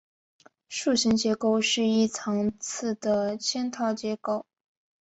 树形结构是一层次的嵌套结构。